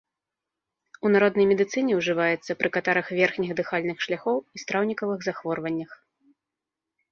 У народнай медыцыне ўжываецца пры катарах верхніх дыхальных шляхоў і страўнікавых захворваннях.